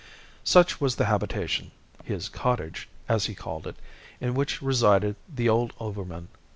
Such was the habitation, "his cottage," as he called it, in which resided the old overman.